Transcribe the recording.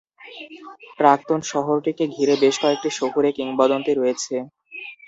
প্রাক্তন শহরটিকে ঘিরে বেশ কয়েকটি শহুরে কিংবদন্তি রয়েছে।